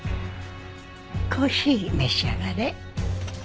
コーヒー召し上がれ。